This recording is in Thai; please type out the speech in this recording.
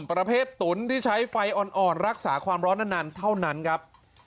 ประเภทตุ๋นที่ใช้ไฟอ่อนรักษาความร้อนนานเท่านั้นครับ